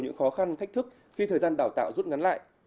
những khó khăn thách thức khi thời gian đào tạo rút ngắn lại